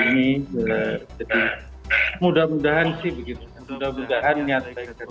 jadi mudah mudahan sih begitu